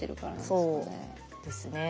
そうですね。